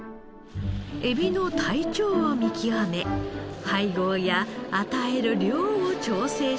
エビの体調を見極め配合や与える量を調整します。